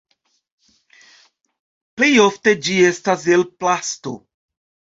Plejofte ĝi estas el plasto.